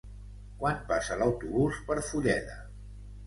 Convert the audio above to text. Quan passa l'autobús per Fulleda?